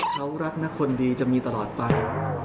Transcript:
เขารักนะคนดีจะมีตลอดไป